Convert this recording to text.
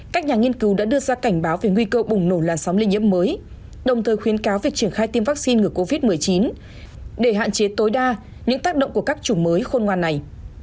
các bạn chế tối đa những tác động của các chủ mới khôn ngoan này